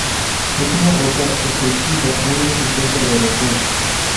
Es una roca extrusiva muy resistente a la erosión.